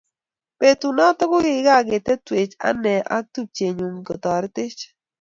Betunotok kokikakitetweech anee ak tupchenyu ketoretech.